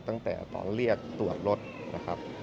ตั้งแต่ตอนเรียกตรวจรถนะครับ